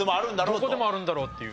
どこでもあるんだろうっていう。